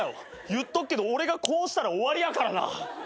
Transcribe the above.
いっとくけど俺がこうしたら終わりやからな。